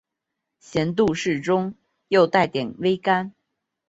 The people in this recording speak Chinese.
咸度适中又带点微甘